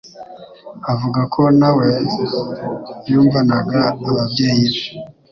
avuga ko na we yumvanaga ababyeyi be